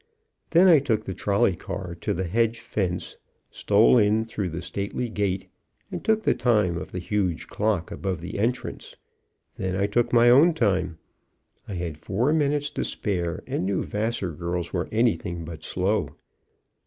Then I took the trolley car to the hedge fence, stole in through the stately gate, and took the time of the huge clock above the entrance. Then I took my own time. I had four minutes to spare, and knew Vassar girls were anything but slow.